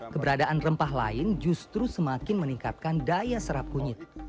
keberadaan rempah lain justru semakin meningkatkan daya serap kunyit